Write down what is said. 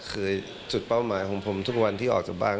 คือจุดเป้าหมายของผมทุกวันที่ออกจากบ้าน